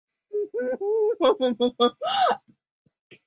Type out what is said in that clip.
Se hace evidente que estos dos no son humanos.